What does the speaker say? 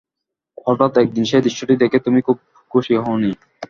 একদিন হঠাৎ সেই দৃশ্যটি দেখে তুমি খুব খুশি হও নি।